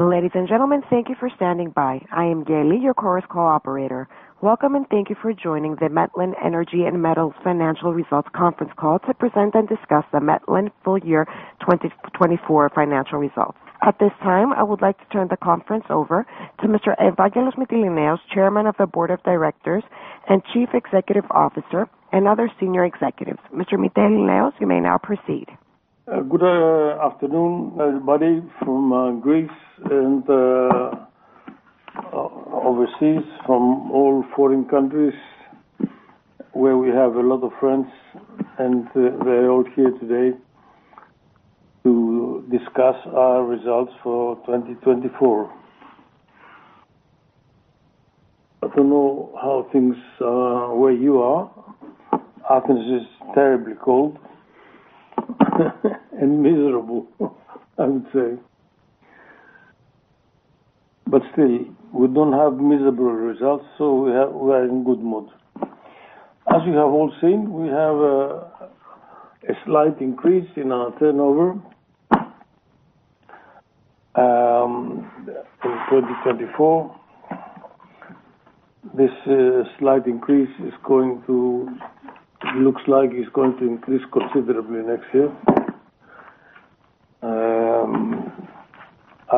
Ladies and gentlemen, thank you for standing by. I am Gail, your Chorus Call operator. Welcome and thank you for joining The Metlen Energy & Metals Financial Results Conference Call to present and discuss The Metlen Full Year 2024 Financial Results. At this time, I would like to turn the conference over to Mr. Evangelos Mytilineos, Chairman of the Board of Directors and Chief Executive Officer, and other senior executives. Mr. Mytilineos, you may now proceed. Good afternoon, everybody from Greece and overseas, from all foreign countries where we have a lot of friends, and they're all here today to discuss our results for 2024. I don't know how things are where you are. Athens is terribly cold and miserable, I would say. But still, we don't have miserable results, so we are in good mood. As you have all seen, we have a slight increase in our turnover in 2024. This slight increase is going to look like it's going to increase considerably next year.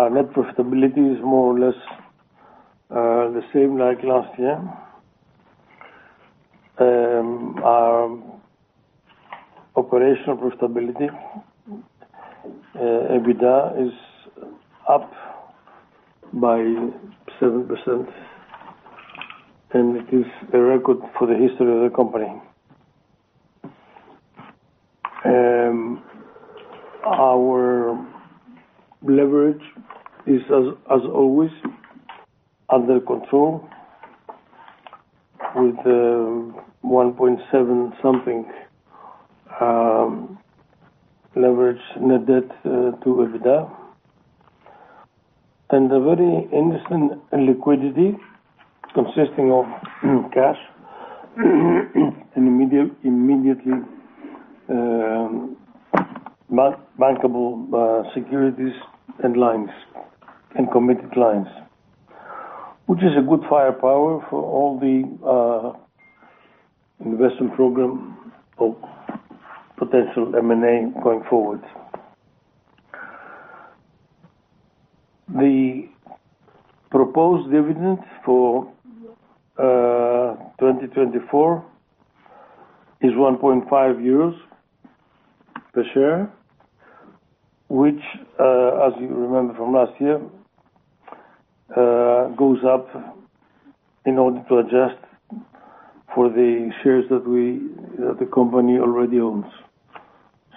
Our net profitability is more or less the same like last year. Our operational profitability, EBITDA, is up by 7%, and it is a record for the history of the company. Our leverage is, as always, under control, with 1.7 something leverage net debt to EBITDA. The very interesting liquidity consisting of cash and immediately bankable securities and committed lines, which is a good firepower for all the investment program of potential M&A going forward. The proposed dividend for 2024 is EUR 1.5 per share, which, as you remember from last year, goes up in order to adjust for the shares that the company already owns.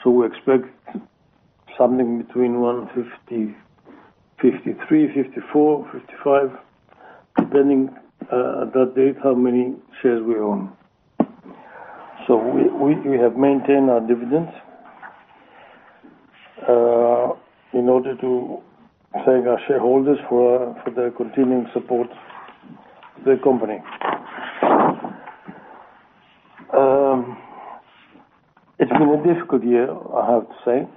So we expect something between 153-155, depending on that date how many shares we own. So we have maintained our dividends in order to thank our shareholders for their continuing support to the company. It's been a difficult year, I have to say,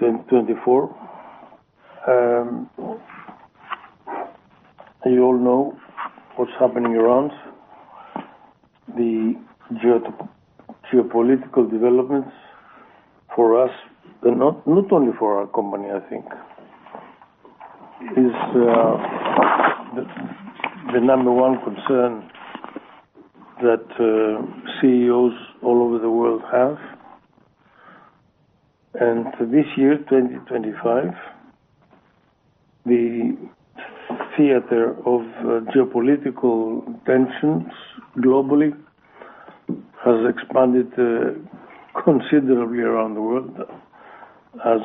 2024. You all know what's happening around the geopolitical developments for us, but not only for our company, I think. It's the number one concern that CEOs all over the world have. This year, 2025, the theater of geopolitical tensions globally has expanded considerably around the world, as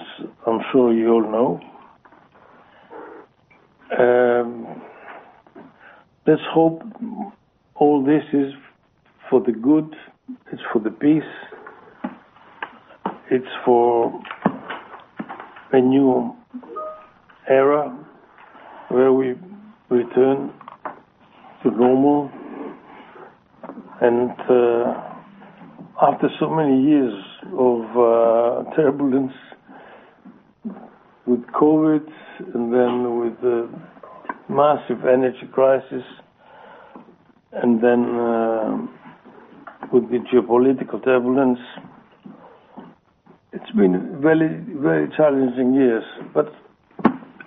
I'm sure you all know. Let's hope all this is for the good, it's for the peace, it's for a new era where we return to normal. After so many years of turbulence with COVID, and then with the massive energy crisis, and then with the geopolitical turbulence, it's been very, very challenging years.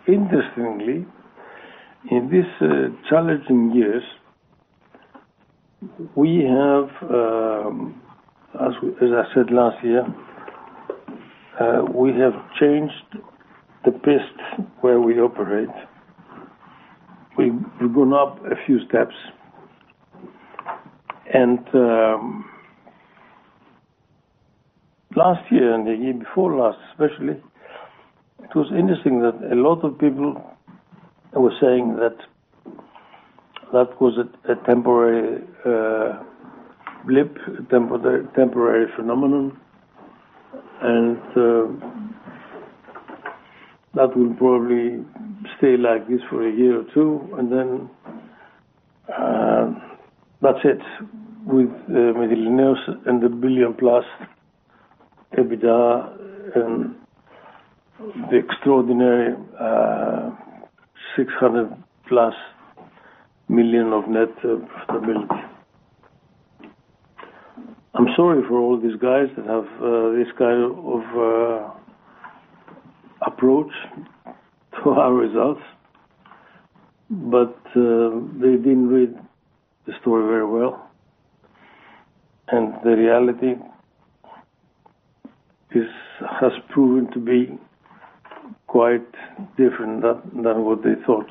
Interestingly, in these challenging years, we have, as I said last year, we have changed the position where we operate. We've gone up a few steps. Last year and the year before last, especially, it was interesting that a lot of people were saying that that was a temporary blip, a temporary phenomenon, and that will probably stay like this for a year or two, and then that's it with Mytilineos and the billion-plus EBITDA and the extraordinary 600-plus million of net profitability. I'm sorry for all these guys that have this kind of approach to our results, but they didn't read the story very well. The reality has proven to be quite different than what they thought.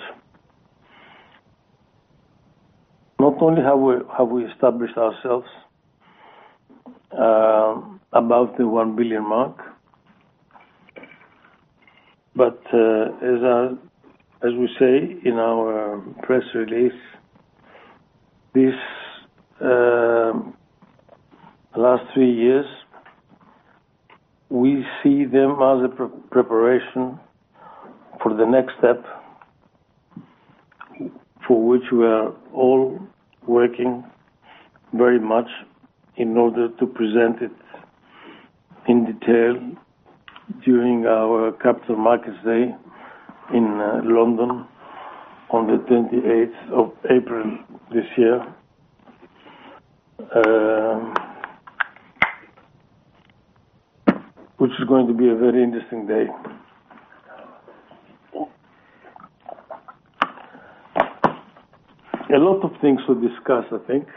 Not only have we established ourselves above the one billion mark, but as we say in our press release, these last three years, we see them as a preparation for the next step for which we are all working very much in order to present it in detail during our Capital Markets Day in London on the 28th of April this year, which is going to be a very interesting day. A lot of things were discussed, I think.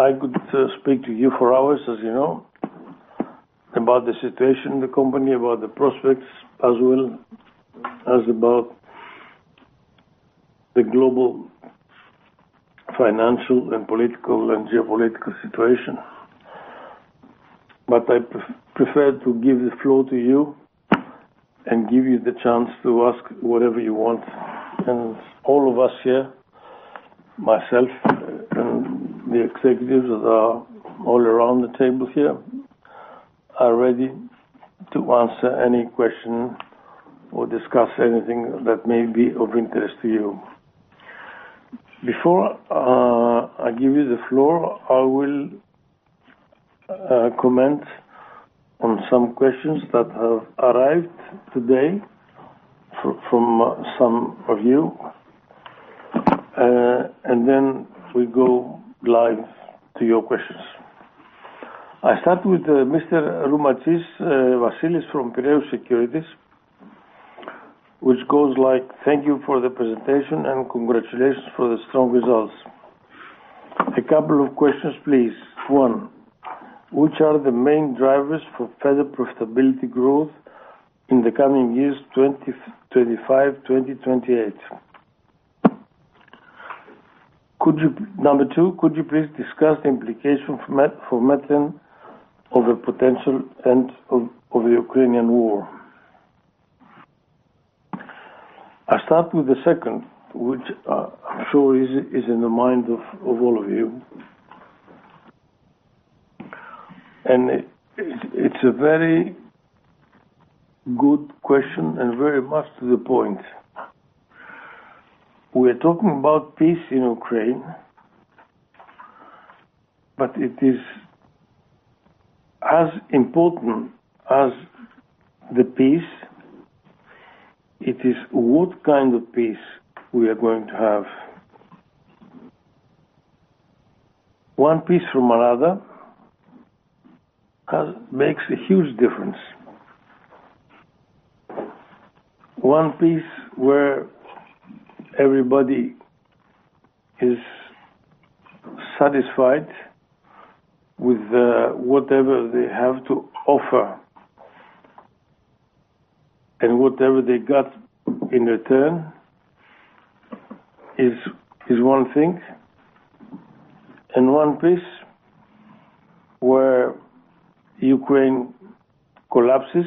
I could speak to you for hours, as you know, about the situation in the company, about the prospects as well, as about the global financial and political and geopolitical situation. But I prefer to give the floor to you and give you the chance to ask whatever you want. All of us here, myself and the executives that are all around the table here, are ready to answer any question or discuss anything that may be of interest to you. Before I give you the floor, I will comment on some questions that have arrived today from some of you, and then we go live to your questions. I start with Mr. Roumantzis, Vasilis from Piraeus Securities, which goes like, "Thank you for the presentation and congratulations for the strong results." A couple of questions, please. One, which are the main drivers for further profitability growth in the coming years, 2025, 2028? Number two, could you please discuss the implication for Metlen of a potential end of the Ukrainian war? I'll start with the second, which I'm sure is in the mind of all of you. It's a very good question and very much to the point. We are talking about peace in Ukraine, but it is as important as the peace. It is what kind of peace we are going to have. One peace from another makes a huge difference. One peace where everybody is satisfied with whatever they have to offer and whatever they got in return is one thing. One peace where Ukraine collapses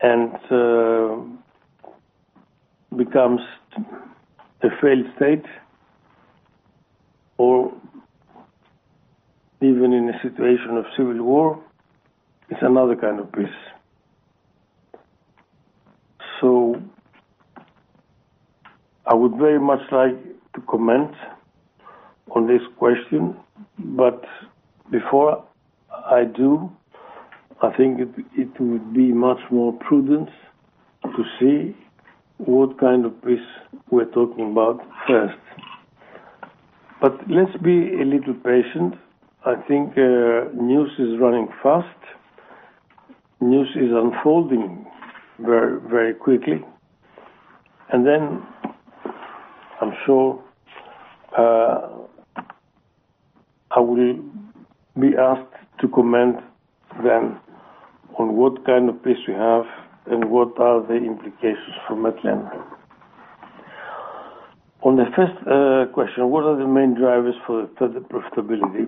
and becomes a failed state, or even in a situation of civil war, it's another kind of peace. I would very much like to comment on this question, but before I do, I think it would be much more prudent to see what kind of peace we're talking about first. Let's be a little patient. I think news is running fast. News is unfolding very, very quickly. Then I'm sure I will be asked to comment then on what kind of peace we have and what are the implications for Metlen. On the first question, what are the main drivers for further profitability?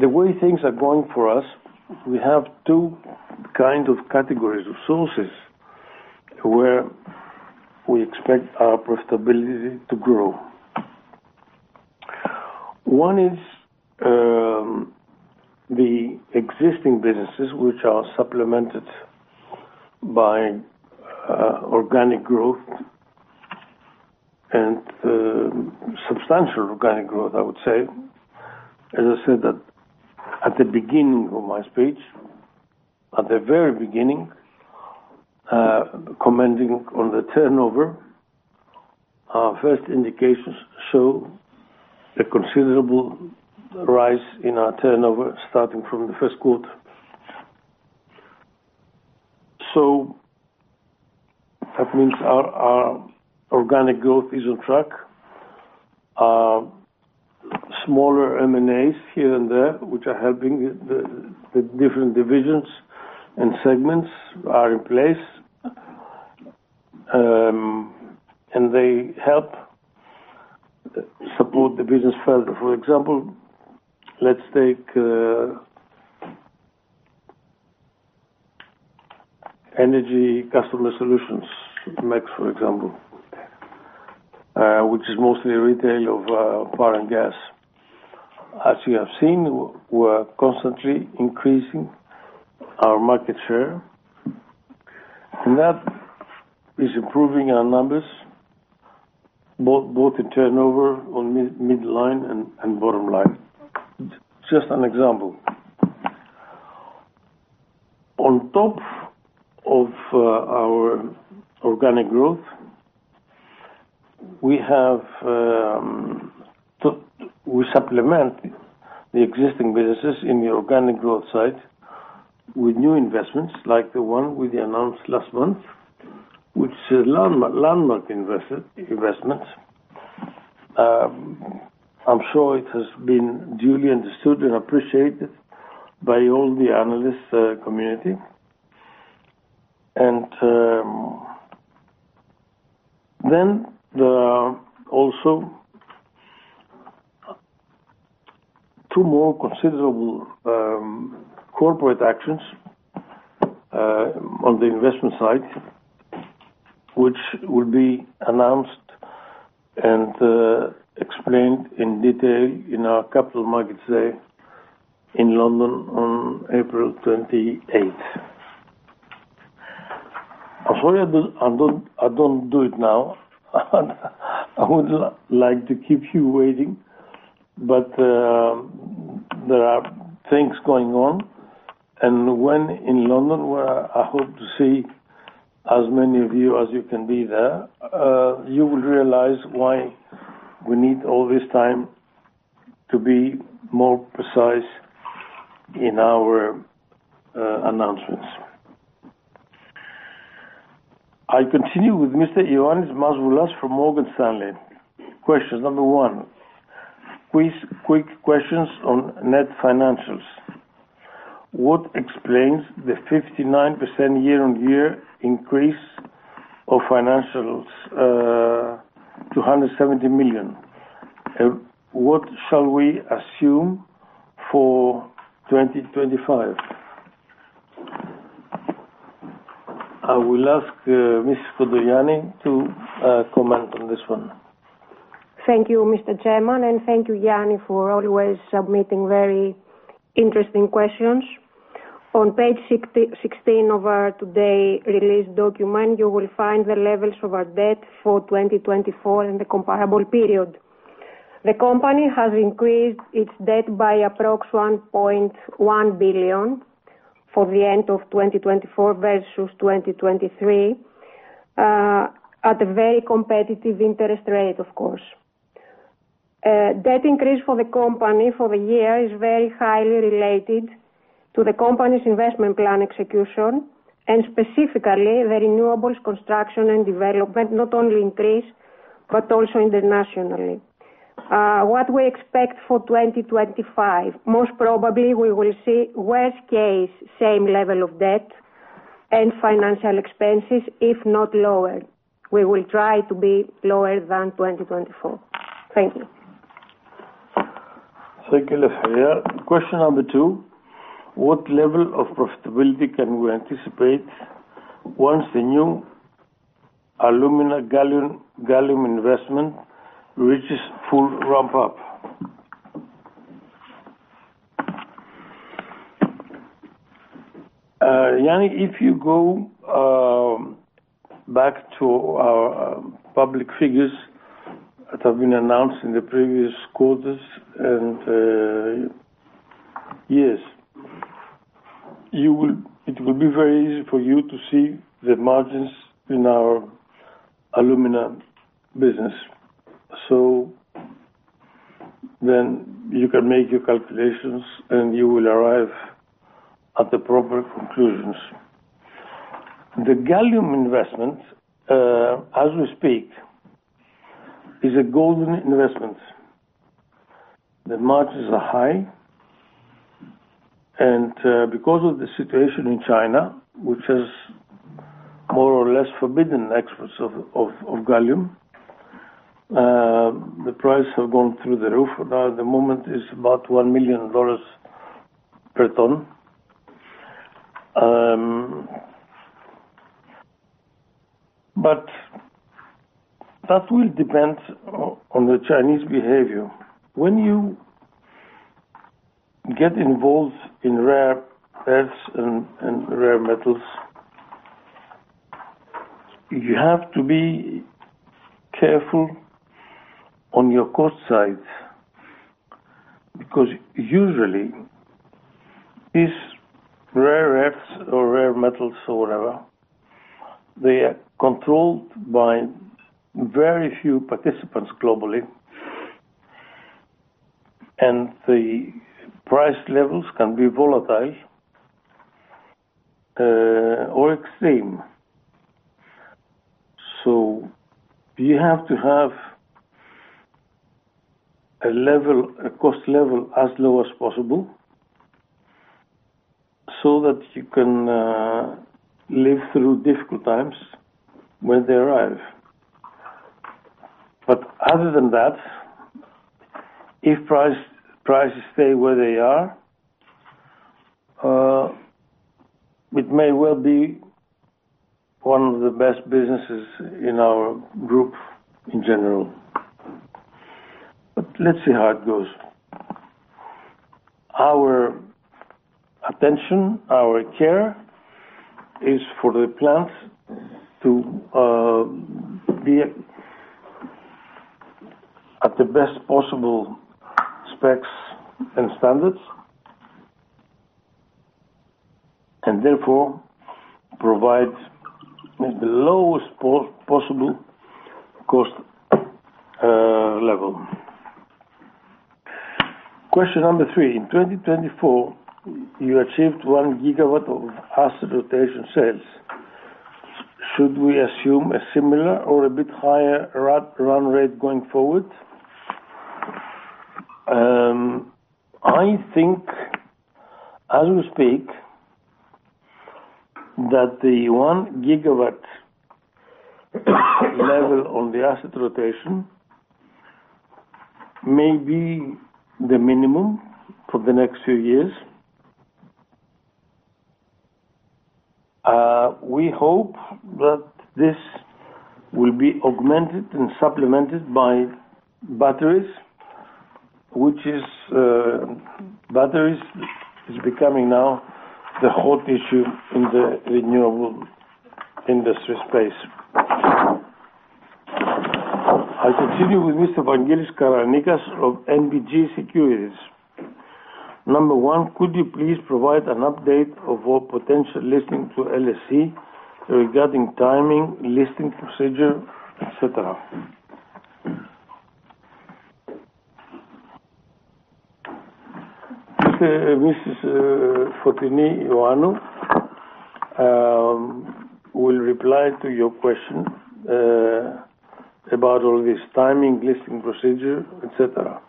The way things are going for us, we have two kinds of categories of sources where we expect our profitability to grow. One is the existing businesses, which are supplemented by organic growth and substantial organic growth, I would say. As I said at the beginning of my speech, at the very beginning, commenting on the turnover, our first indications show a considerable rise in our turnover starting from the Q1. That means our organic growth is on track. Smaller M&As here and there, which are helping the different divisions and segments, are in place, and they help support the business further. For example, let's take Energy Customer Solutions, supplies, for example, which is mostly retail of foreign gas. As you have seen, we're constantly increasing our market share, and that is improving our numbers, both in turnover on midline and bottom line. Just an example. On top of our organic growth, we supplement the existing businesses in the organic growth side with new investments like the one we announced last month, which is a landmark investment. I'm sure it has been duly understood and appreciated by all the analyst community. And then also two more considerable corporate actions on the investment side, which will be announced and explained in detail in our Capital Markets Day in London on April 28th. I'm sorry I don't do it now. I would like to keep you waiting, but there are things going on. When in London, where I hope to see as many of you as you can be there, you will realize why we need all this time to be more precise in our announcements. I continue with Mr. Ioannis Masvoulas from Morgan Stanley. Question number one, quick questions on net financials. What explains the 59% year-on-year increase of financials to 170 million? What shall we assume for 2025? I will ask Ms. Kontogianni to comment on this one. Thank you, Mr. Chairman, and thank you, Yanni, for always submitting very interesting questions. On page 16 of our today released document, you will find the levels of our debt for 2024 and the comparable period. The company has increased its debt by approximately 1.1 billion for the end of 2024 versus 2023, at a very competitive interest rate, of course. Debt increase for the company for the year is very highly related to the company's investment plan execution, and specifically, the renewables construction and development not only increased, but also internationally. What we expect for 2025, most probably we will see worst-case same level of debt and financial expenses, if not lower. We will try to be lower than 2024. Thank you. Thank you, Eleftheria. Question number two, what level of profitability can we anticipate once the new alumina gallium investment reaches full ramp-up? Yanni, if you go back to our public figures that have been announced in the previous quarters and years, it will be very easy for you to see the margins in our alumina business. So then you can make your calculations, and you will arrive at the proper conclusions. The gallium investment, as we speak, is a golden investment. The margins are high, and because of the situation in China, which has more or less forbidden exports of gallium, the price has gone through the roof. At the moment, it's about $1 million per ton. But that will depend on the Chinese behavior. When you get involved in rare earths and rare metals, you have to be careful on your cost side because usually, these rare earths or rare metals or whatever, they are controlled by very few participants globally, and the price levels can be volatile or extreme. So you have to have a cost level as low as possible so that you can live through difficult times when they arrive. But other than that, if prices stay where they are, it may well be one of the best businesses in our group in general. But let's see how it goes. Our attention, our care is for the plants to be at the best possible specs and standards, and therefore provide the lowest possible cost level. Question number three, in 2024, you achieved 1 gigawatt of asset rotation sales. Should we assume a similar or a bit higher run rate going forward? I think, as we speak, that the 1 gigawatt level on the asset rotation may be the minimum for the next few years. We hope that this will be augmented and supplemented by batteries, which batteries are becoming now the hot issue in the renewable industry space. I continue with Mr. Vangelis Karanikas of NBG Securities. Number one, could you please provide an update of our potential listing to LSE regarding timing, listing procedure, etc.? Ms. Fotini Ioannou will reply to your question about all this timing, listing procedure, etc.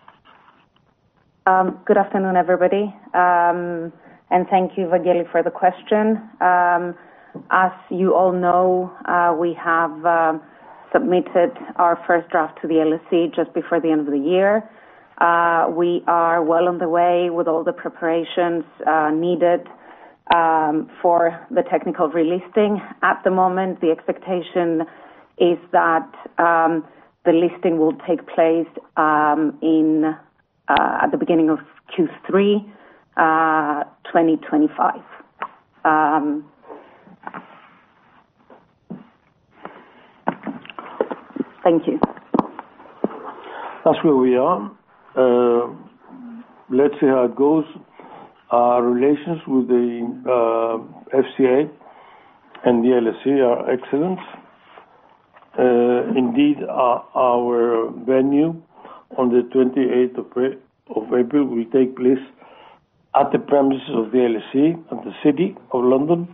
Good afternoon, everybody. Thank you, Vangelis, for the question. As you all know, we have submitted our first draft to the LSE just before the end of the year. We are well on the way with all the preparations needed for the technical relisting. At the moment, the expectation is that the listing will take place at the beginning of Q3 2025. Thank you. That's where we are. Let's see how it goes. Our relations with the FCA and the LSE are excellent. Indeed, our venue on the 28th of April will take place at the premises of the LSE at the City of London,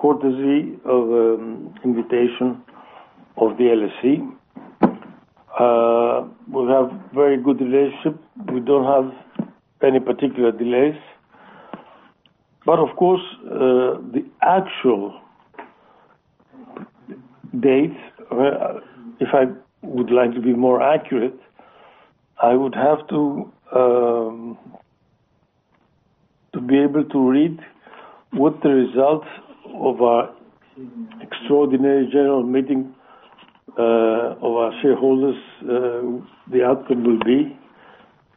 courtesy of the invitation of the LSE. We have a very good relationship. We don't have any particular delays. But of course, the actual date, if I would like to be more accurate, I would have to be able to read what the results of our extraordinary general meeting of our shareholders, the outcome will be,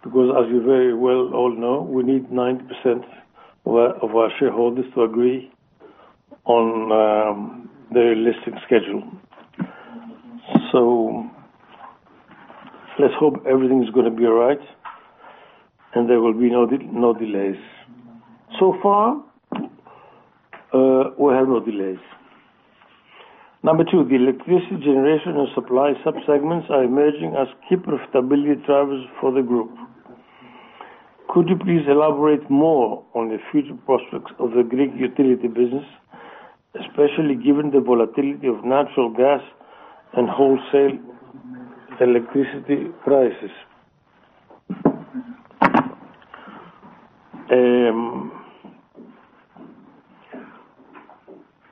because as you very well all know, we need 90% of our shareholders to agree on their listing schedule. So let's hope everything is going to be all right and there will be no delays. So far, we have no delays. Number two, the electricity generation and supply subsegments are emerging as key profitability drivers for the group. Could you please elaborate more on the future prospects of the Greek utility business, especially given the volatility of natural gas and wholesale electricity prices?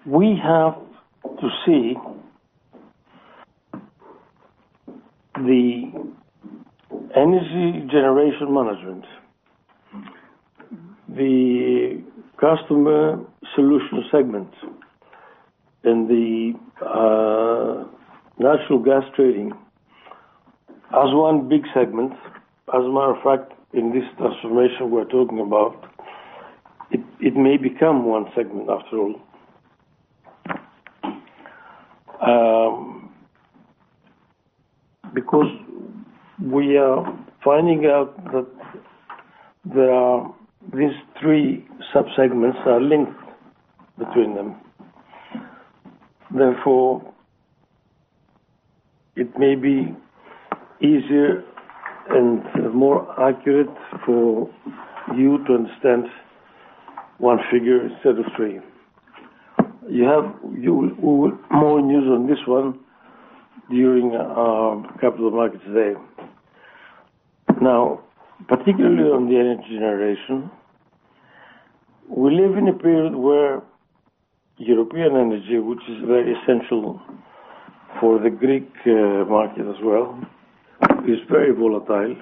We have to see the energy generation management, the customer solution segment, and the natural gas trading as one big segment. As a matter of fact, in this transformation we're talking about, it may become one segment after all. Because we are finding out that these three subsegments are linked between them. Therefore, it may be easier and more accurate for you to understand one figure instead of three. You will have more news on this one during our Capital Markets Day. Now, particularly on the energy generation, we live in a period where European energy, which is very essential for the Greek market as well, is very volatile.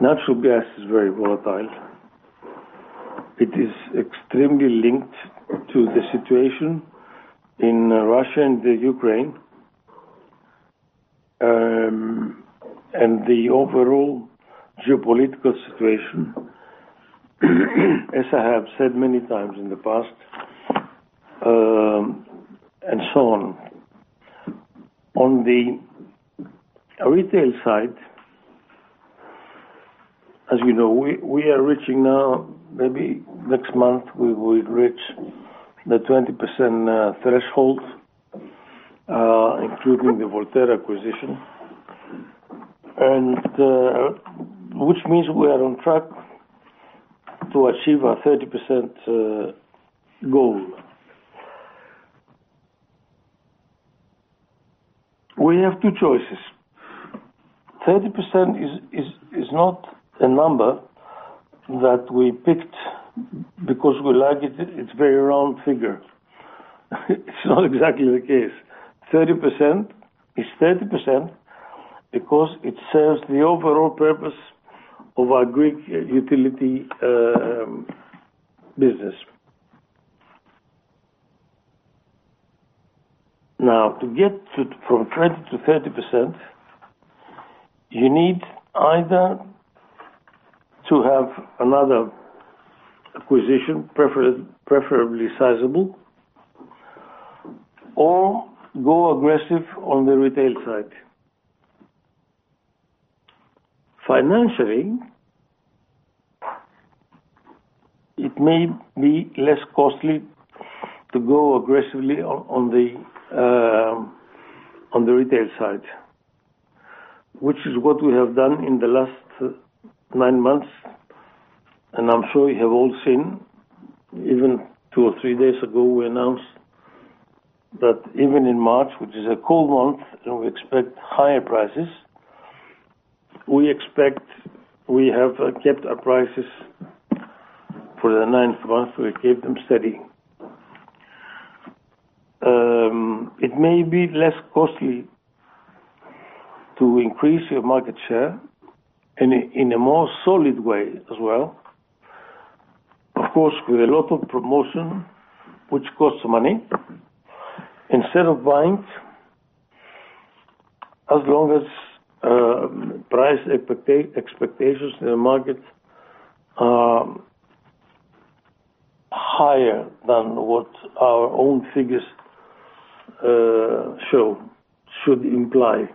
Natural gas is very volatile. It is extremely linked to the situation in Russia and Ukraine and the overall geopolitical situation, as I have said many times in the past, and so on. On the retail side, as you know, we are reaching now, maybe next month we will reach the 20% threshold, including the Volterra acquisition, which means we are on track to achieve our 30% goal. We have two choices. 30% is not a number that we picked because we like it; it's a very round figure. It's not exactly the case. 30% is 30% because it serves the overall purpose of our Greek utility business. Now, to get from 20%-30%, you need either to have another acquisition, preferably sizable, or go aggressive on the retail side. Financially, it may be less costly to go aggressively on the retail side, which is what we have done in the last nine months, and I'm sure you have all seen. Even two or three days ago, we announced that even in March, which is a cold month, and we expect higher prices, we expect we have kept our prices for the ninth month. We keep them steady. It may be less costly to increase your market share in a more solid way as well, of course, with a lot of promotion, which costs money, instead of buying as long as price expectations in the market are higher than what our own figures show should imply.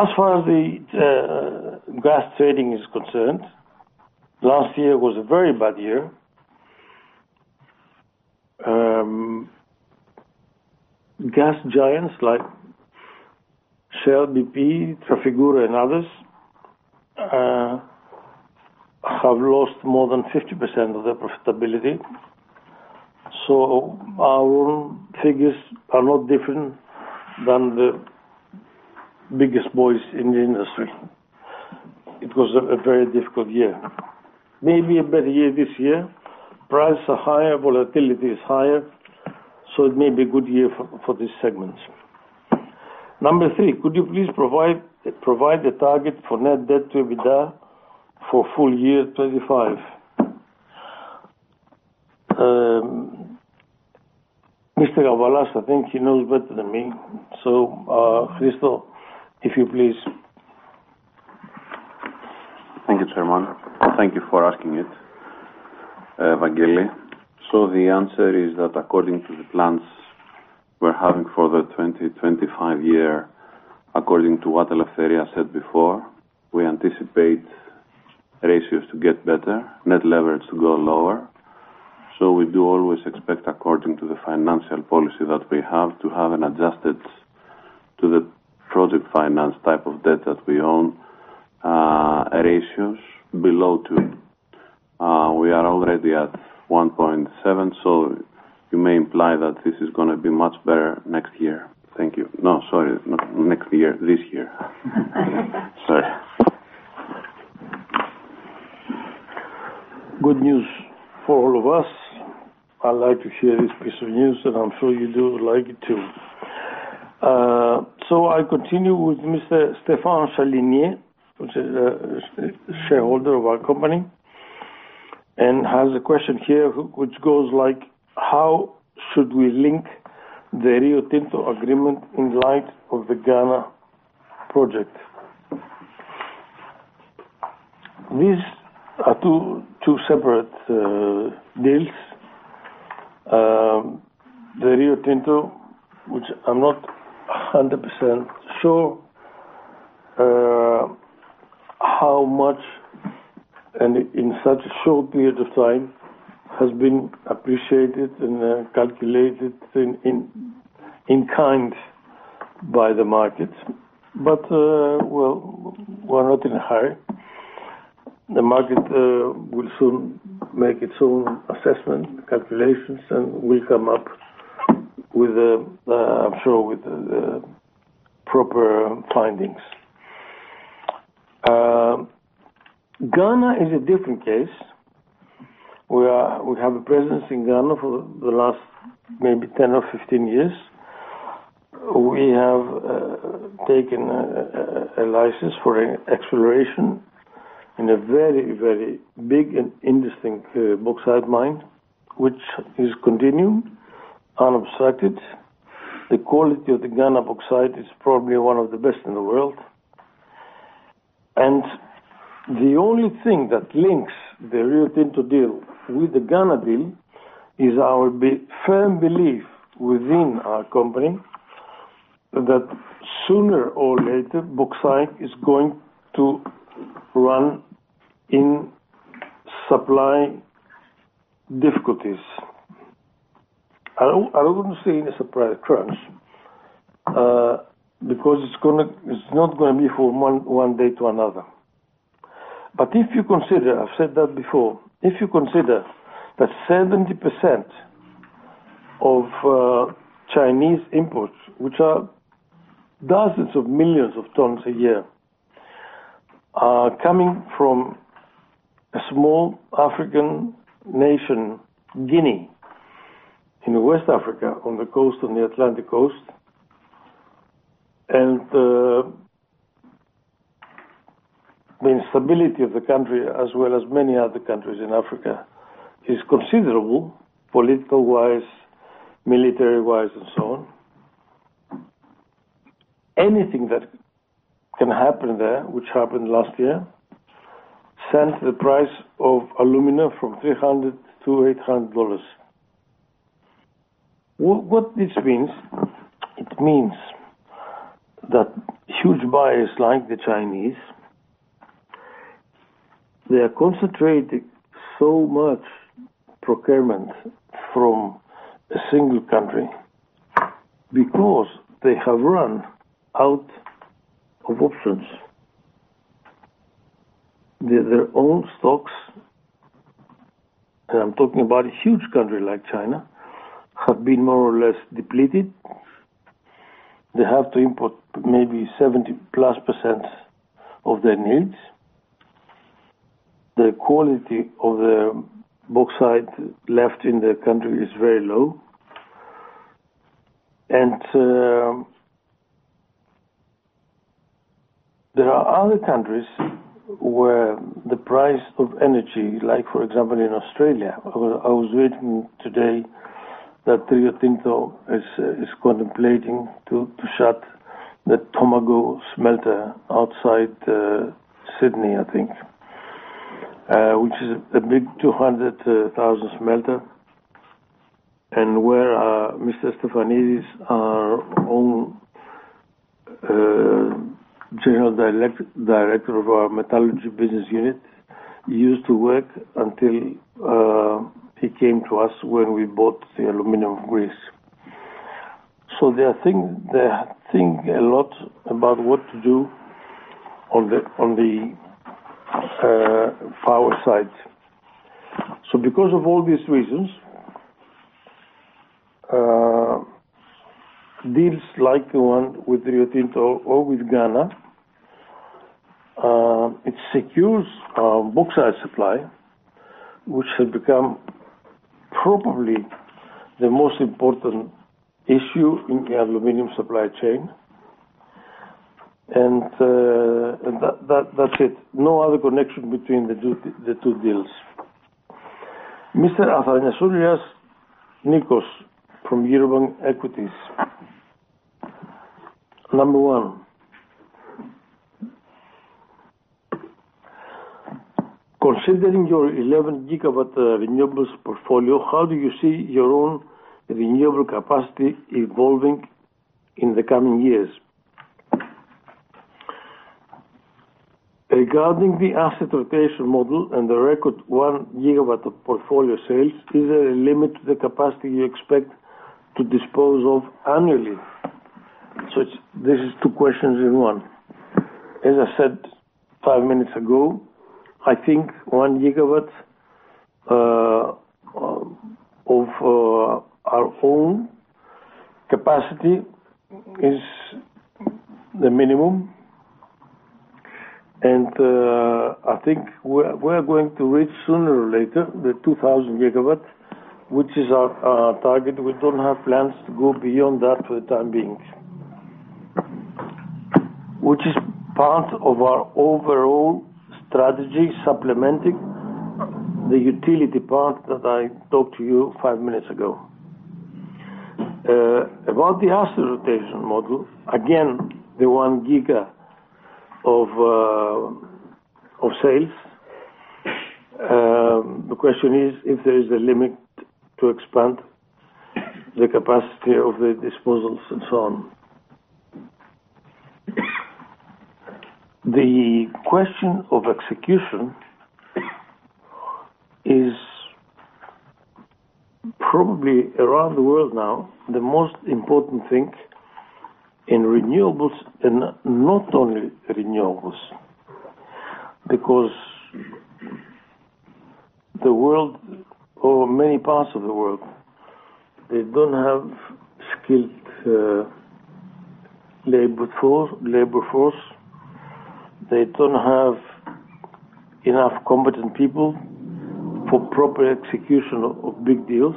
As far as the gas trading is concerned, last year was a very bad year. Gas giants like Shell, BP, Trafigura, and others have lost more than 50% of their profitability. So our figures are not different than the biggest boys in the industry. It was a very difficult year. Maybe a better year this year. Prices are higher, volatility is higher, so it may be a good year for these segments. Number three, could you please provide the target for net debt to EBITDA for full year 2025? Mr. Gavalas, I think he knows better than me. So Christos, if you please. Thank you, Chairman. Thank you for asking it, Vangelis. So the answer is that according to the plans we're having for the 2025 year, according to what Eleftheria said before, we anticipate ratios to get better, net leverage to go lower. So we do always expect, according to the financial policy that we have, to have an adjusted to the project finance type of debt that we own, ratios below two. We are already at 1.7, so you may imply that this is going to be much better next year. Thank you. No, sorry, next year, this year. Sorry. Good news for all of us. I like to hear this piece of news, and I'm sure you do like it too, so I continue with Mr. Stefan Chaligné, who is a shareholder of our company, and has a question here, which goes like, how should we link the Rio Tinto agreement in light of the Ghana project? These are two separate deals. The Rio Tinto, which I'm not 100% sure how much in such a short period of time has been appreciated and calculated in kind by the market, but we're not in a hurry. The market will soon make its own assessment, calculations, and will come up, I'm sure, with the proper findings. Ghana is a different case. We have a presence in Ghana for the last maybe 10 or 15 years. We have taken a license for acceleration in a very, very big and interesting bauxite mine, which is continued, unobstructed. The quality of the Ghana bauxite is probably one of the best in the world, and the only thing that links the Rio Tinto deal with the Ghana deal is our firm belief within our company that sooner or later, bauxite is going to run in supply difficulties. I don't see any surprise crunch because it's not going to be from one day to another, but if you consider, I've said that before, if you consider that 70% of Chinese imports, which are dozens of millions of tons a year, are coming from a small African nation, Guinea, in West Africa, on the coast, on the Atlantic coast, and the instability of the country, as well as many other countries in Africa, is considerable, political-wise, military-wise, and so on. Anything that can happen there, which happened last year, sent the price of aluminum from $300-$800. What this means, it means that huge buyers like the Chinese, they are concentrating so much procurement from a single country because they have run out of options. Their own stocks, and I'm talking about a huge country like China, have been more or less depleted. They have to import maybe 70-plus% of their needs. The quality of the bauxite left in the country is very low. And there are other countries where the price of energy, like for example, in Australia, I was reading today that Rio Tinto is contemplating to shut the Tomago smelter outside Sydney, I think, which is a big 200,000 smelter. And where Mr. Stefanos Giourelis, our own general director of our metallurgy business unit, used to work until he came to us when we bought the Aluminium of Greece. So they are thinking a lot about what to do on the power side. So because of all these reasons, deals like the one with Rio Tinto or with Ghana, it secures bauxite supply, which has become probably the most important issue in the aluminum supply chain. And that's it. No other connection between the two deals. Mr. Nikos Athanasoulias from Eurobank Equities, number one, considering your 11-gigawatt renewables portfolio, how do you see your own renewable capacity evolving in the coming years? Regarding the asset rotation model and the record 1-gigawatt portfolio sales, is there a limit to the capacity you expect to dispose of annually? So this is two questions in one. As I said five minutes ago, I think one gigawatt of our own capacity is the minimum. And I think we are going to reach sooner or later the 2,000 GW, which is our target. We don't have plans to go beyond that for the time being, which is part of our overall strategy, supplementing the utility part that I talked to you five minutes ago. About the asset rotation model, again, the one-giga of sales, the question is if there is a limit to expand the capacity of the disposals and so on. The question of execution is probably around the world now the most important thing in renewables, and not only renewables, because the world, or many parts of the world, they don't have skilled labor force. They don't have enough competent people for proper execution of big deals.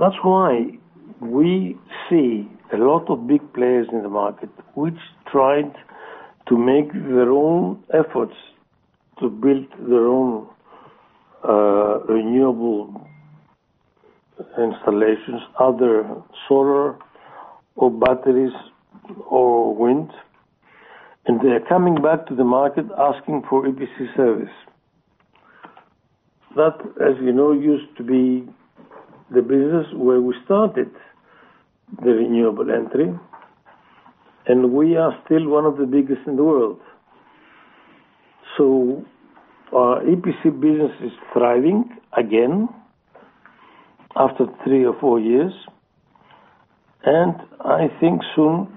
That's why we see a lot of big players in the market, which tried to make their own efforts to build their own renewable installations, other solar or batteries or wind, and they are coming back to the market asking for EPC service. That, as you know, used to be the business where we started the renewable entry, and we are still one of the biggest in the world. So our EPC business is thriving again after three or four years, and I think soon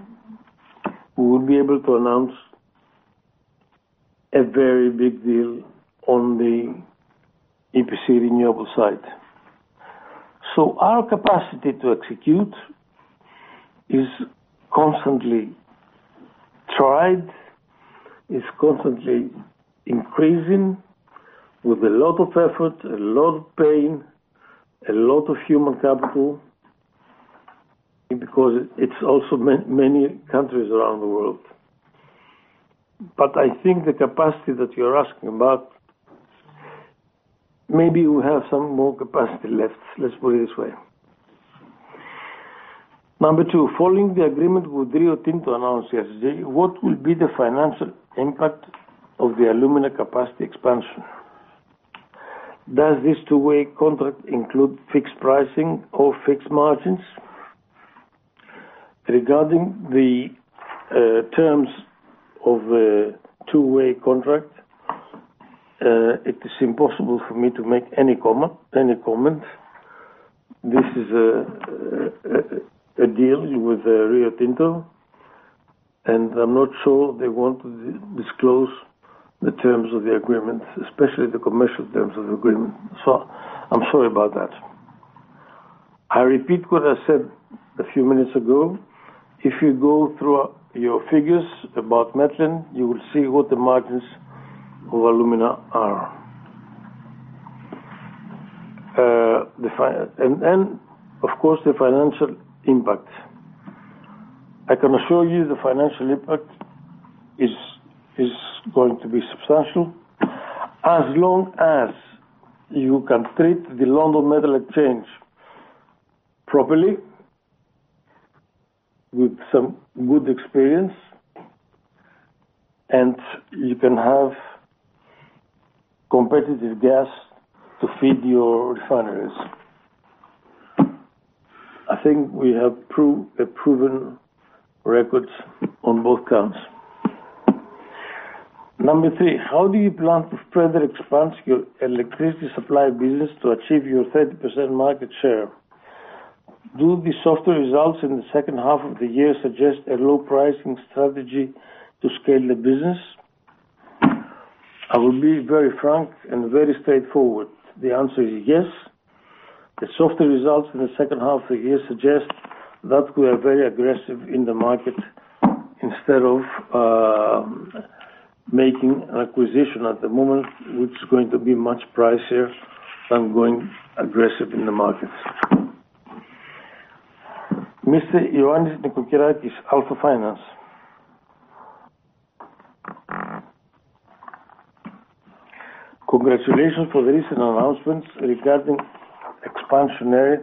we will be able to announce a very big deal on the EPC renewable side. So our capacity to execute is constantly tried, is constantly increasing with a lot of effort, a lot of pain, a lot of human capital, because it's also many countries around the world. But I think the capacity that you're asking about, maybe we have some more capacity left. Let's put it this way. Number two, following the agreement with Rio Tinto announces, what will be the financial impact of the aluminum capacity expansion? Does this two-way contract include fixed pricing or fixed margins? Regarding the terms of the two-way contract, it is impossible for me to make any comment. This is a deal with Rio Tinto, and I'm not sure they want to disclose the terms of the agreement, especially the commercial terms of the agreement. So I'm sorry about that. I repeat what I said a few minutes ago. If you go through your figures about alumina, you will see what the margins of alumina are. And then, of course, the financial impact. I can assure you the financial impact is going to be substantial as long as you can treat the London Metal Exchange properly with some good experience, and you can have competitive gas to feed your refineries. I think we have proven records on both counts. Number three, how do you plan to further expand your electricity supply business to achieve your 30% market share? Do the softer results in the second half of the year suggest a low-pricing strategy to scale the business? I will be very frank and very straightforward. The answer is yes. The softer results in the second half of the year suggest that we are very aggressive in the market instead of making an acquisition at the moment, which is going to be much pricier than going aggressive in the market. Mr. Ioannis Nikokiratsis, Alpha Finance. Congratulations for the recent announcements regarding expansionary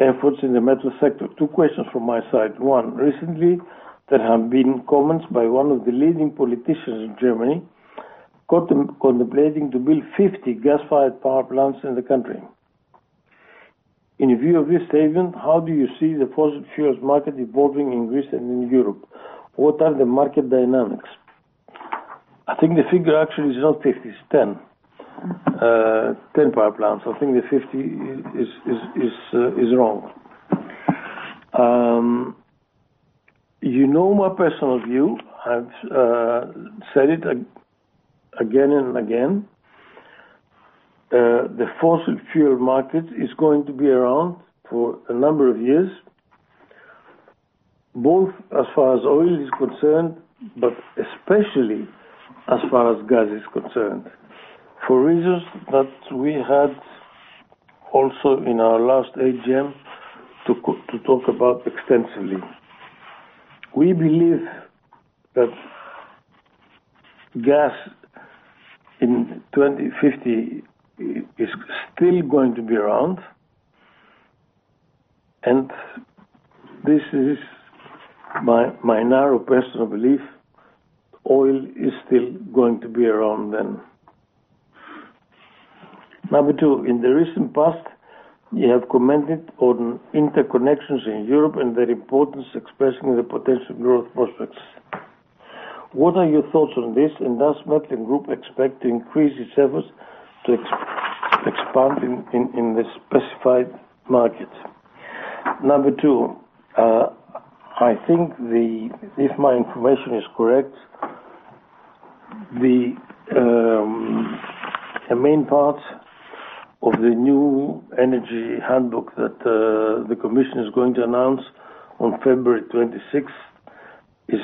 efforts in the metal sector. Two questions from my side. One, recently, there have been comments by one of the leading politicians in Germany contemplating to build 50 gas-fired power plants in the country. In view of this statement, how do you see the fossil fuels market evolving in Greece and in Europe? What are the market dynamics? I think the figure actually is not 50, it's 10. 10 power plants. I think the 50 is wrong. You know my personal view, I've said it again and again. The fossil fuel market is going to be around for a number of years, both as far as oil is concerned, but especially as far as gas is concerned, for reasons that we had also in our last AGM to talk about extensively. We believe that gas in 2050 is still going to be around, and this is my narrow personal belief. Oil is still going to be around then. Number two, in the recent past, you have commented on interconnections in Europe and their importance, expressing the potential growth prospects. What are your thoughts on this, and does Metlen expect to increase its efforts to expand in the specified market? Number two, I think if my information is correct, the main part of the new energy handbook that the commission is going to announce on February 26th is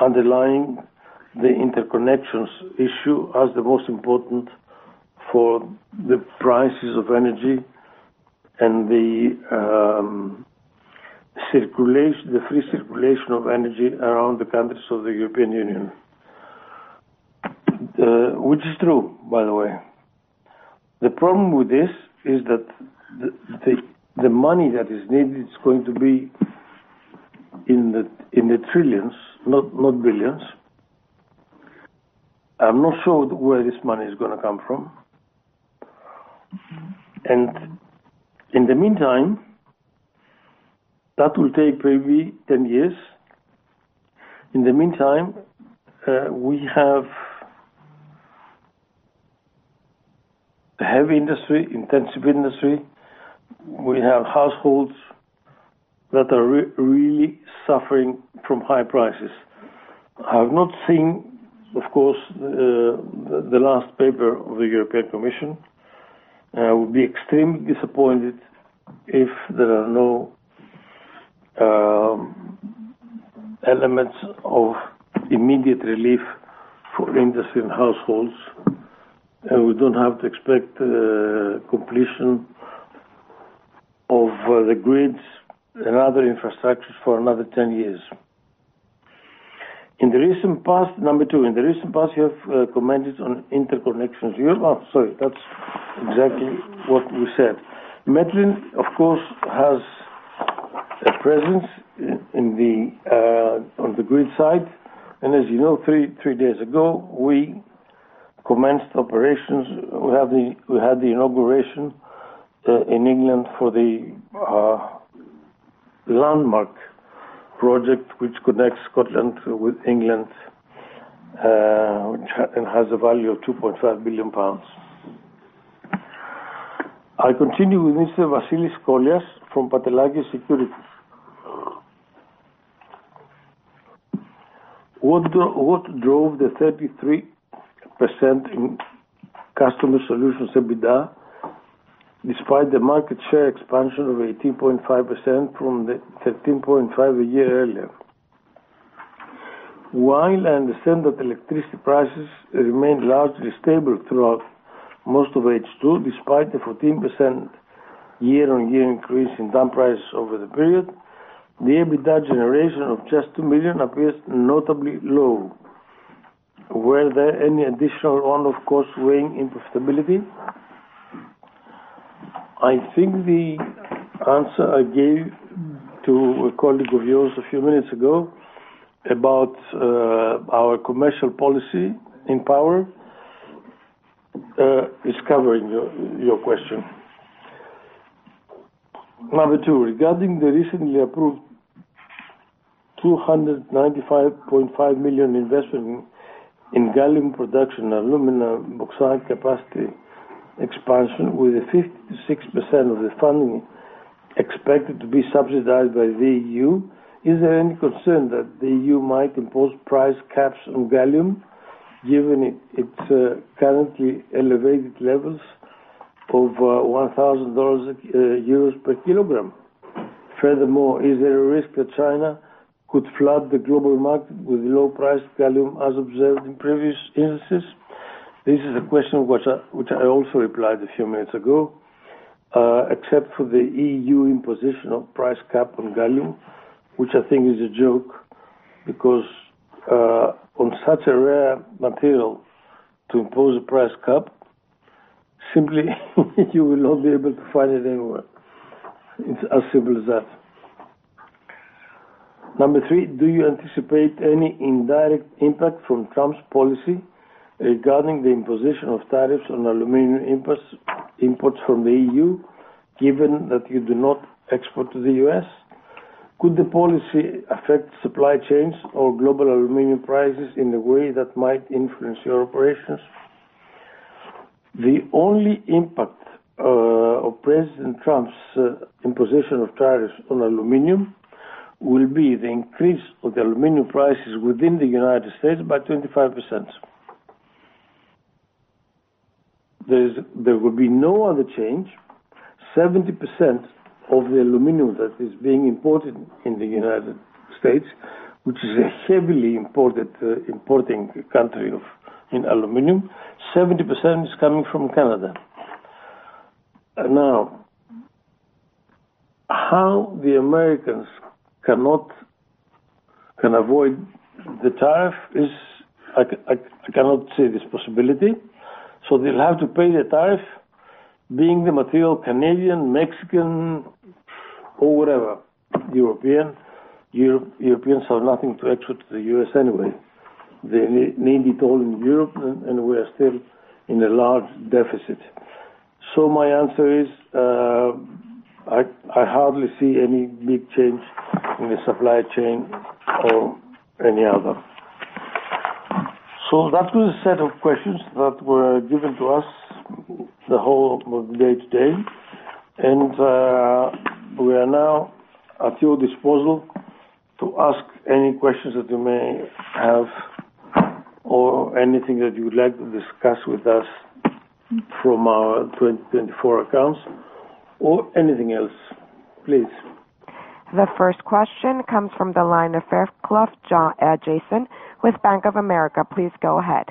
underlying the interconnections issue as the most important for the prices of energy and the free circulation of energy around the countries of the European Union, which is true, by the way. The problem with this is that the money that is needed is going to be in the trillions, not billions. I'm not sure where this money is going to come from. In the meantime, that will take maybe 10 years. In the meantime, we have heavy industry, intensive industry. We have households that are really suffering from high prices. I have not seen, of course, the last paper of the European Commission. I would be extremely disappointed if there are no elements of immediate relief for industry and households, and we don't have to expect completion of the grids and other infrastructures for another 10 years. In the recent past, number two, in the recent past, you have commented on interconnections. Sorry, that's exactly what we said. Metlen, of course, has a presence on the grid side. As you know, three days ago, we commenced operations. We had the inauguration in England for the landmark project which connects Scotland with England and has a value of 2.5 billion pounds. I continue with Mr. Vasilis Kollias from Pantelakis Securities. What drove the 33% in customer solutions EBITDA despite the market share expansion of 18.5% from the 13.5% a year earlier? While I understand that electricity prices remain largely stable throughout most of H2, despite the 14% year-on-year increase in DAM prices over the period, the EBITDA generation of just €2 million appears notably low. Were there any additional one-off costs weighing on profitability? I think the answer I gave to a colleague of yours a few minutes ago about our commercial policy in power is covering your question. Number two, regarding the recently approved 295.5 million investment in gallium production and alumina bauxite capacity expansion with 56% of the funding expected to be subsidized by the EU, is there any concern that the EU might impose price caps on gallium given its currently elevated levels of GBP 1,000 per kilogram? Furthermore, is there a risk that China could flood the global market with the low price of gallium as observed in previous instances? This is a question which I also replied a few minutes ago, except for the E.U. imposition of price cap on gallium, which I think is a joke because on such a rare material to impose a price cap, simply you will not be able to find it anywhere. It's as simple as that. Number three, do you anticipate any indirect impact from Trump's policy regarding the imposition of tariffs on aluminum imports from the E.U., given that you do not export to the U.S.? Could the policy affect supply chains or global aluminum prices in a way that might influence your operations? The only impact of President Trump's imposition of tariffs on aluminum will be the increase of the aluminum prices within the United States by 25%. There will be no other change. 70% of the aluminum that is being imported in the United States, which is a heavily imported country in aluminum, 70% is coming from Canada. Now, how the Americans can avoid the tariff is I cannot see this possibility. So they'll have to pay the tariff, being the material Canadian, Mexican, or whatever, European. Europeans have nothing to export to the U.S. anyway. They need it all in Europe, and we are still in a large deficit. So my answer is I hardly see any big change in the supply chain or any other. So that was a set of questions that were given to us the whole of the day today. And we are now at your disposal to ask any questions that you may have or anything that you would like to discuss with us from our 2024 accounts or anything else. Please. The first question comes from the line of Jason Fairclough with Bank of America. Please go ahead.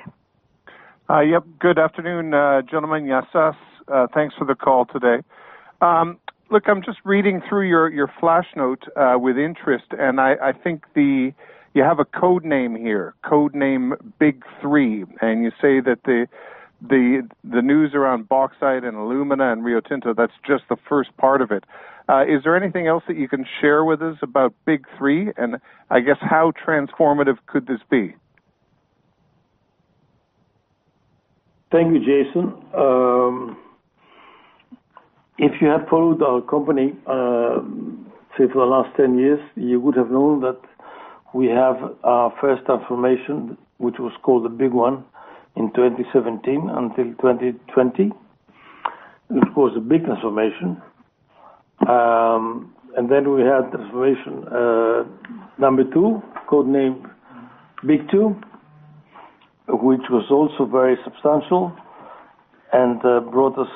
Yep. Good afternoon, gentlemen. Yassas. Thanks for the call today. Look, I'm just reading through your flash note with interest, and I think you have a code name here, code name Big Three, and you say that the news around bauxite and alumina and Rio Tinto, that's just the first part of it. Is there anything else that you can share with us about Big Three and I guess how transformative could this be? Thank you, Jason. If you had followed our company for the last 10 years, you would have known that we have our first transformation, which was called the Big One, in 2017 until 2020. It was a big transformation. And then we had transformation number two, code name Big Two, which was also very substantial and brought us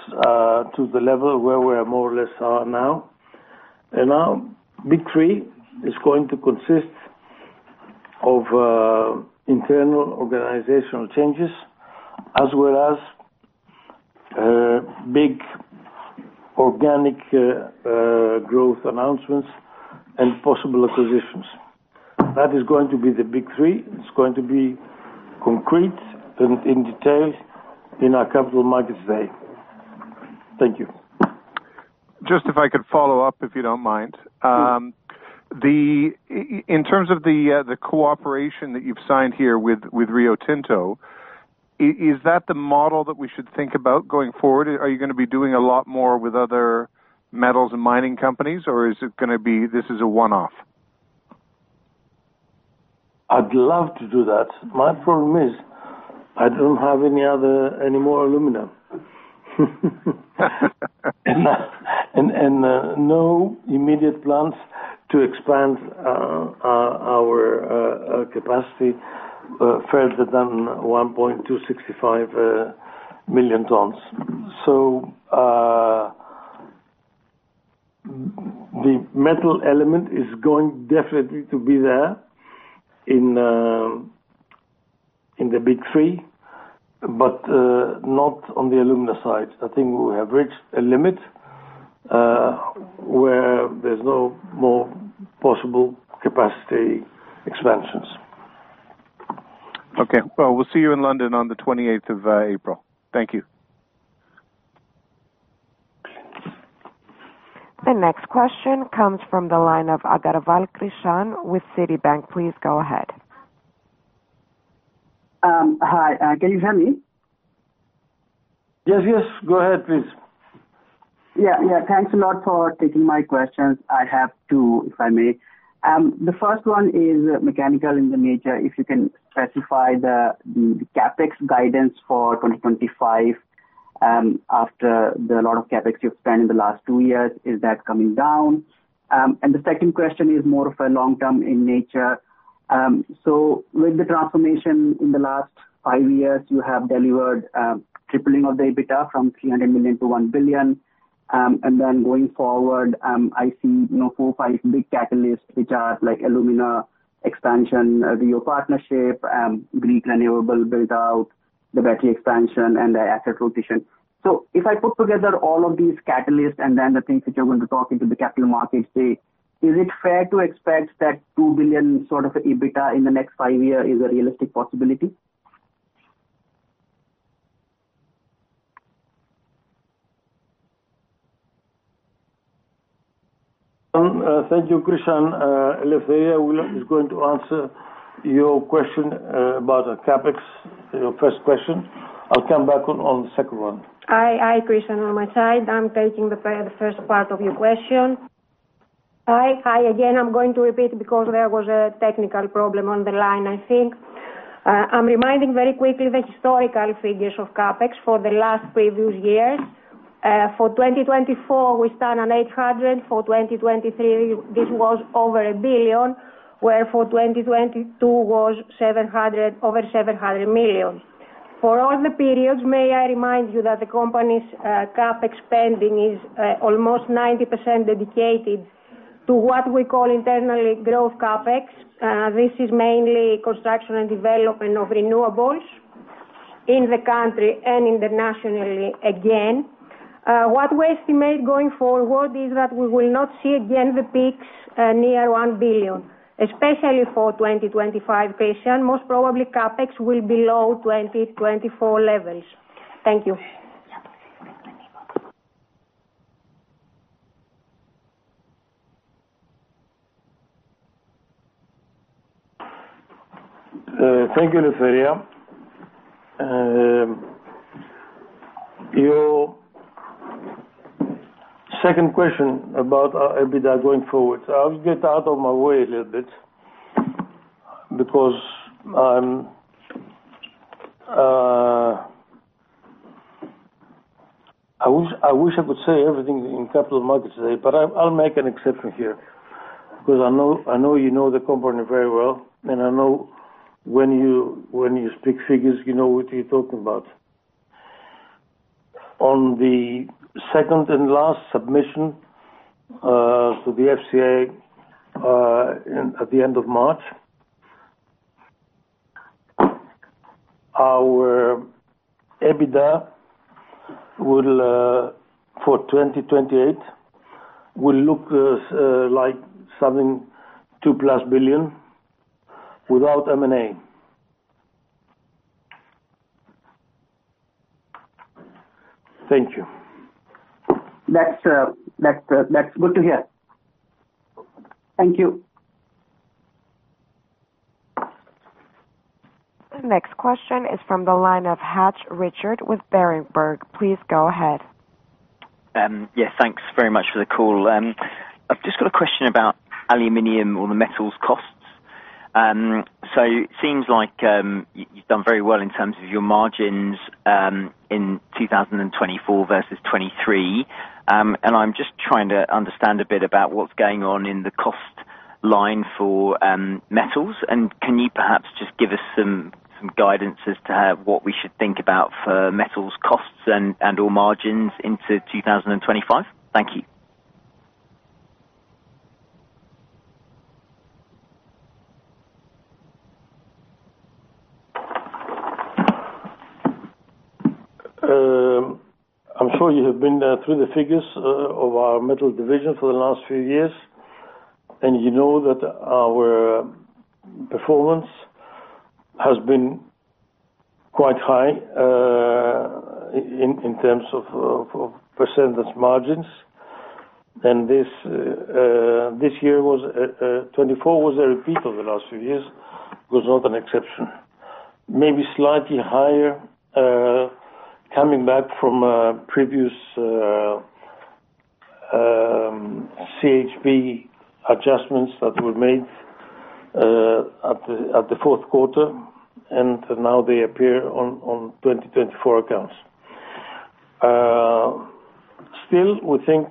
to the level where we are more or less now. And now Big Three is going to consist of internal organizational changes as well as big organic growth announcements and possible acquisitions. That is going to be the Big Three. It's going to be concrete and in detail in our Capital Markets Day. Thank you. Just if I could follow up, if you don't mind. In terms of the cooperation that you've signed here with Rio Tinto, is that the model that we should think about going forward? Are you going to be doing a lot more with other metals and mining companies, or is it going to be this is a one-off? I'd love to do that. My problem is I don't have any more alumina. And no immediate plans to expand our capacity further than 1.265 million tons. So the metal element is going definitely to be there in the Big Three, but not on the alumina side. I think we have reached a limit where there's no more possible capacity expansions. Okay. Well, we'll see you in London on the 28th of April. Thank you. The next question comes from the line of Krishan Agarwal with Citi. Please go ahead. Hi. Can you hear me? Yes, yes. Go ahead, please. Yeah, yeah. Thanks a lot for taking my questions. I have two, if I may. The first one is mechanical in the nature. If you can specify the CapEx guidance for 2025, after the lot of CapEx you've spent in the last two years, is that coming down? And the second question is more of a long-term in nature. So with the transformation in the last five years, you have delivered tripling of the EBITDA from €300 million to €1 billion. And then going forward, I see four, five big catalysts, which are alumina expansion, Rio partnership, Greek renewable build-out, the battery expansion, and the asset rotation. So if I put together all of these catalysts and then the things that you're going to talk into the capital markets, is it fair to expect that €2 billion sort of EBITDA in the next five years is a realistic possibility? Thank you, Krishan. Eleftheria is going to answer your question about CapEx, your first question. I'll come back on the second one. Hi, Krishan. On my side, I'm taking the first part of your question. Hi. Hi, again. I'm going to repeat because there was a technical problem on the line, I think. I'm reminding very quickly the historical figures of CapEx for the last previous years. For 2024, we stand on 800 million. For 2023, this was over 1 billion, where for 2022 was over 700 million. For all the periods, may I remind you that the company's CapEx spending is almost 90% dedicated to what we call internally growth CapEx. This is mainly construction and development of renewables in the country and internationally, again. What we estimate going forward is that we will not see again the peaks near 1 billion, especially for 2025, Krishan. Most probably, CapEx will be low 2024 levels. Thank you. Thank you, Eleftheria. Your second question about EBITDA going forward. I'll get out of my way a little bit because I wish I could say everything in capital markets today, but I'll make an exception here because I know you know the company very well, and I know when you speak figures, you know what you're talking about. On the second and last submission to the FCA at the end of March, our EBITDA for 2028 will look like something 2 plus billion without M&A. Thank you. That's good to hear. Thank you. The next question is from the line of Richard Hatch with Berenberg. Please go ahead. Yes, thanks very much for the call. I've just got a question about aluminum or the metals costs. So it seems like you've done very well in terms of your margins in 2024 versus 2023. I'm just trying to understand a bit about what's going on in the cost line for metals. Can you perhaps just give us some guidance as to what we should think about for metals costs and/or margins into 2025? Thank you. I'm sure you have been through the figures of our metal division for the last few years, and you know that our performance has been quite high in terms of percentage margins. This year, 2024, was a repeat of the last few years and was not an exception. Maybe slightly higher coming back from previous CHP adjustments that were made at the fourth quarter, and now they appear on 2024 accounts. Still, we think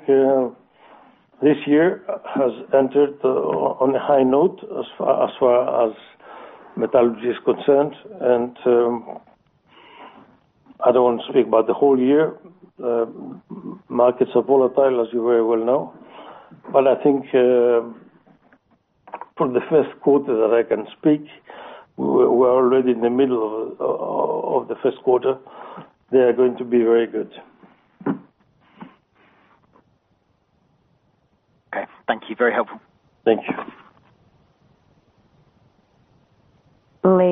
this year has entered on a high note as far as metallurgy is concerned. I don't want to speak about the whole year. Markets are volatile, as you very well know. But I think for the Q1 that I can speak, we're already in the middle of the Q1. They are going to be very good. Okay. Thank you. Very helpful. Thank you.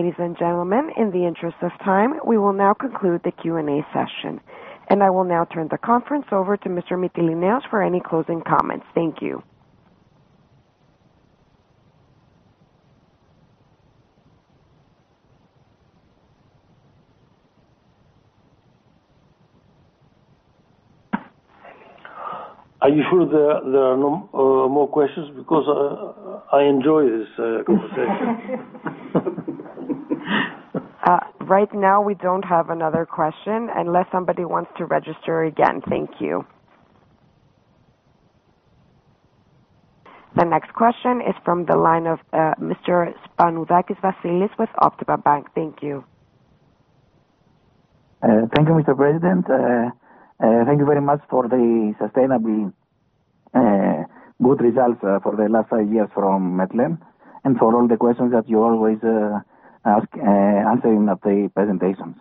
Ladies and gentlemen, in the interest of time, we will now conclude the Q&A session. And I will now turn the conference over to Mr. Mytilineos for any closing comments. Thank you. Are you sure there are no more questions? Because I enjoy this conversation. Right now, we don't have another question unless somebody wants to register again. Thank you. The next question is from the line of Mr. Spanoudakis with Optima Bank. Thank you. Thank you, Mr. President. Thank you very much for the sustainable good results for the last five years from Metlen and for all the questions that you always answer in the presentations.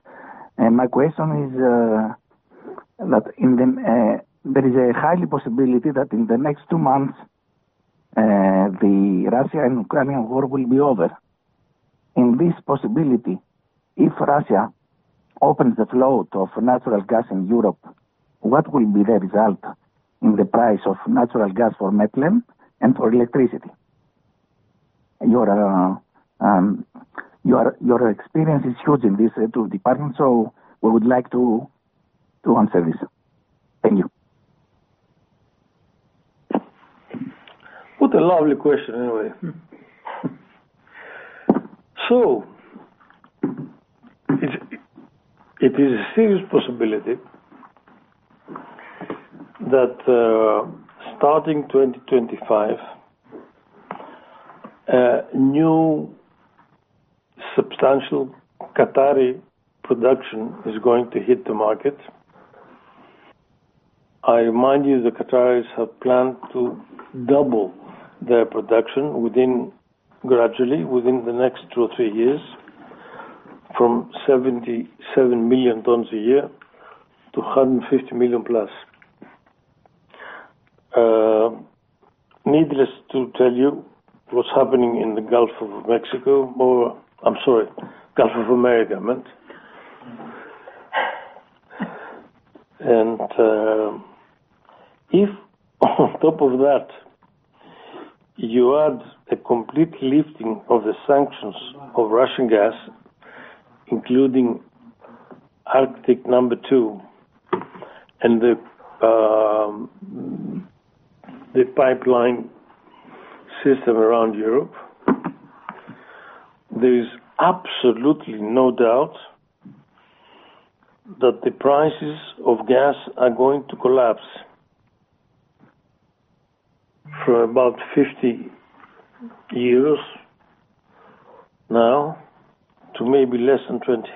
My question is that there is a high possibility that in the next two months, the Russia and Ukrainian war will be over. In this possibility, if Russia opens the flow of natural gas in Europe, what will be the result in the price of natural gas for Metlen and for electricity? Your experience is huge in these two departments, so we would like to answer this. Thank you. What a lovely question, anyway. So it is a serious possibility that starting 2025, new substantial Qatari production is going to hit the market. I remind you that Qataris have planned to double their production gradually within the next two or three years from 77 million tons a year to 150 million plus. Needless to tell you, what's happening in the Gulf of Mexico or, I'm sorry, Gulf of America, I meant. And if on top of that, you add a complete lifting of the sanctions of Russian gas, including Arctic LNG 2 and the pipeline system around Europe, there is absolutely no doubt that the prices of gas are going to collapse from about 50 now to maybe less than EUR 20.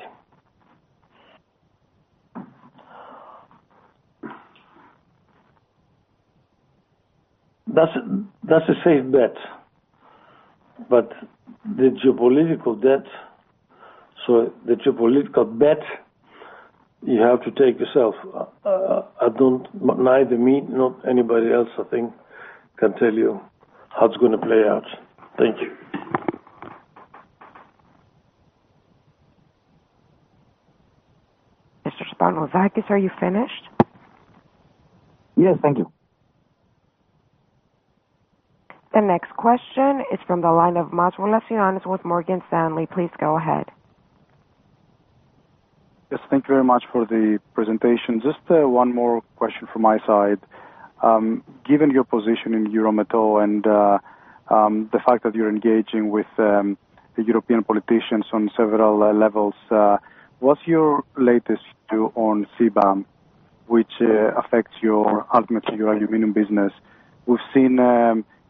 That's a safe bet. But the geopolitical bet, so the geopolitical bet you have to take yourself. Neither me nor anybody else, I think, can tell you how it's going to play out. Thank you. Mr. Spanoudakis, are you finished? Yes, thank you. The next question is from the line of Ioannis Masvoulas with Morgan Stanley. Please go ahead. Yes, thank you very much for the presentation. Just one more question from my side. Given your position in Eurometaux and the fact that you're engaging with the European politicians on several levels, what's your latest view on CBAM, which affects ultimately your aluminum business? We've seen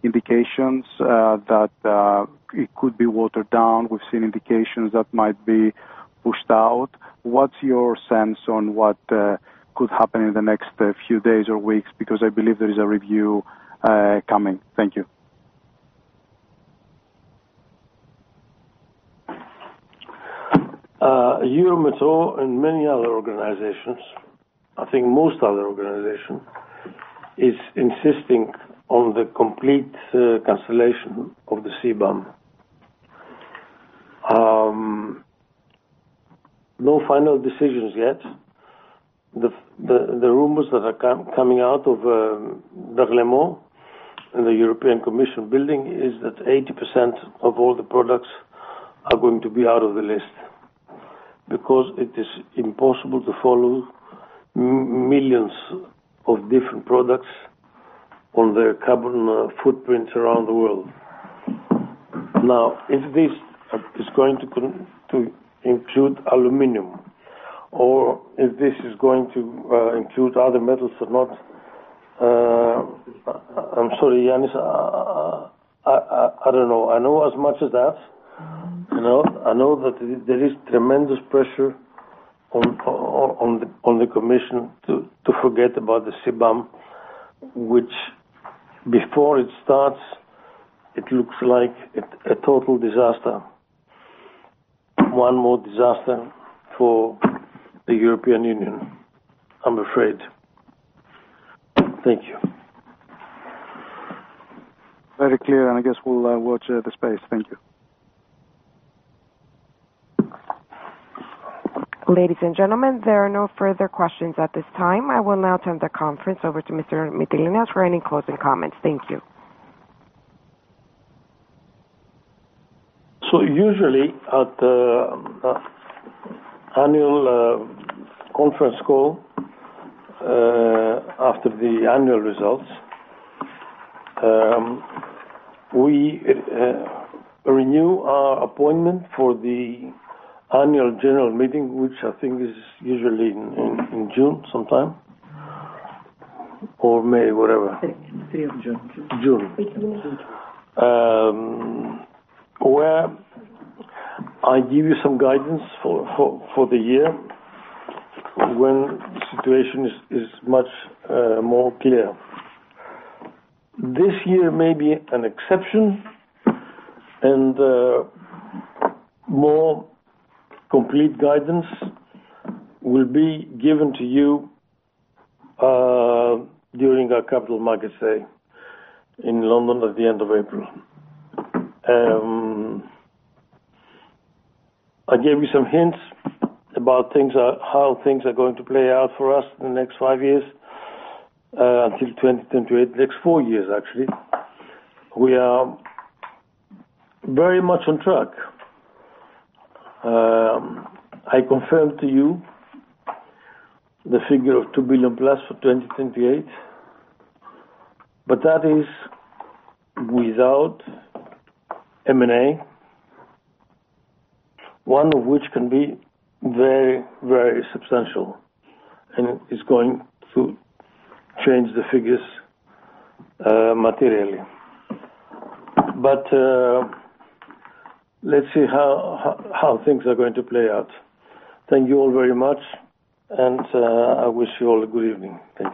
indications that it could be watered down. We've seen indications that might be pushed out. What's your sense on what could happen in the next few days or weeks? Because I believe there is a review coming. Thank you. Eurometaux and many other organizations, I think most other organizations, is insisting on the complete cancellation of the CBAM. No final decisions yet. The rumors that are coming out of Berlaymont and the European Commission building is that 80% of all the products are going to be out of the list because it is impossible to follow millions of different products on their carbon footprints around the world. Now, if this is going to include aluminum or if this is going to include other metals or not, I'm sorry, Yanis, I don't know. I know as much as that. I know that there is tremendous pressure on the Commission to forget about the CBAM, which before it starts, it looks like a total disaster, one more disaster for the European Union, I'm afraid. Thank you. Very clear. And I guess we'll watch this space. Thank you. Ladies and gentlemen, there are no further questions at this time. I will now turn the conference over to Mr. Mytilineos for any closing comments. Thank you. So usually, at the annual conference call after the annual results, we renew our appointment for the annual general meeting, which I think is usually in June sometime or May, whatever. June. June. Where I give you some guidance for the year when the situation is much more clear. This year may be an exception, and more complete guidance will be given to you during our Capital Markets Day in London at the end of April. I gave you some hints about how things are going to play out for us in the next five years until 2028, the next four years, actually. We are very much on track. I confirmed to you the figure of €2 billion plus for 2028, but that is without M&A, one of which can be very, very substantial and is going to change the figures materially. But let's see how things are going to play out. Thank you all very much, and I wish you all a good evening. Thank you.